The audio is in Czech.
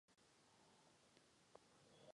Stanislav Trčka.